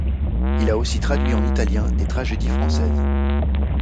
Il a aussi traduit en italien des tragédies françaises.